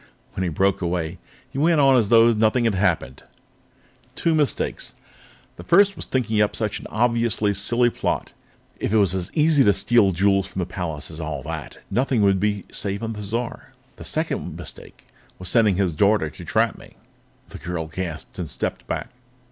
When he broke away, he went on as though nothing had happened. "Two mistakes. The first one was thinking up such an obviously silly plot. If it were as easy to steal jewels from the palace as all that, nothing would be safe on Thizar. "The second mistake was sending his daughter to trap me." The girl gasped and stepped back.